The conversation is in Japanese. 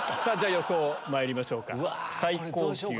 予想まいりましょうか。